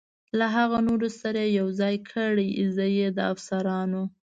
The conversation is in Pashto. له هغه نورو سره یې یو ځای کړئ، زه یې د افسرانو.